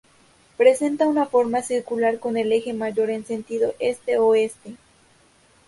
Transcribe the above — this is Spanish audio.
Presenta una forma circular con el eje mayor en sentido este-oeste.